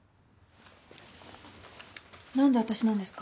何でわたしなんですか？